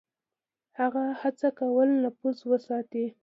هغه هڅه کوله نفوذ وساتي.